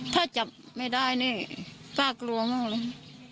ถ้าจับไม่ได้นี่ป้ากลัวมากเลย